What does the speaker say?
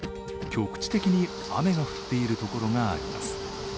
関東地方でも局地的に雨が降っているところがあります。